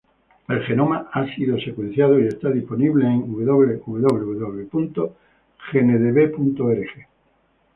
El genoma ha sido secuenciado y está disponible en www.genedb.org.